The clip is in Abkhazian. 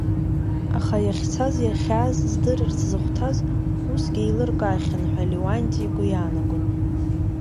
Аха иахьцаз-иахьааз здырырц зыхәҭаз усгьы еилыркаахьан ҳәа Леуанти игәы иаанагон.